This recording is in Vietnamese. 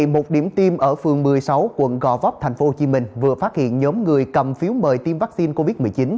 một điểm tiêm ở phường một mươi sáu quận gò vấp tp hcm vừa phát hiện nhóm người cầm phiếu mời tiêm vaccine covid một mươi chín